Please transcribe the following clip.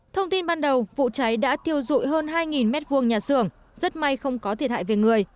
thông tin ban đầu vụ cháy đã thiêu dụi hơn hai m hai nhà xưởng rất may không có thiệt hại về người